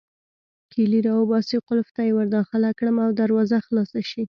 کیلۍ راوباسم، قلف ته يې ورداخله کړم او دروازه خلاصه شي.